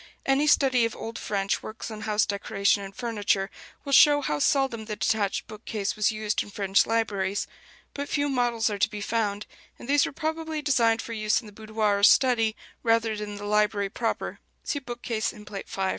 Any study of old French works on house decoration and furniture will show how seldom the detached bookcase was used in French libraries: but few models are to be found, and these were probably designed for use in the boudoir or study, rather than in the library proper (see bookcase in Plate V).